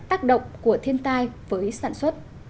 tác động của thiên tai với sản xuất